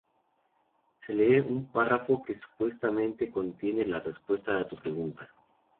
Se lee un párrafo que supuestamente contiene la respuesta a tu pregunta.